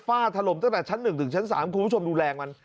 ถล่มตั้งแต่ชั้น๑ถึงชั้น๓คุณผู้ชมดูแรงมัน